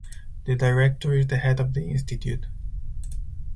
The Director is the head of the institute.